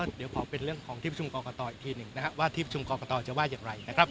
เดี๋ยวขอเป็นเรื่องของที่ประชุมกรกตอีกทีหนึ่งนะครับว่าที่ประชุมกรกตจะว่าอย่างไรนะครับ